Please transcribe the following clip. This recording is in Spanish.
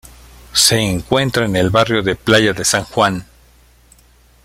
Se encuentra en el barrio de Playa de San Juan.